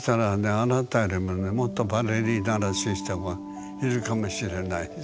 あなたよりもねもっとバレリーナらしい人がいるかもしれないし。